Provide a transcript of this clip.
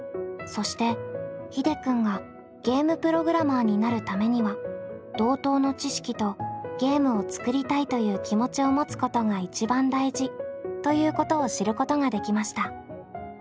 そしてひでくんがゲームプログラマーになるためには同等の知識とゲームを作りたいという気持ちを持つことが一番大事ということを知ることができました。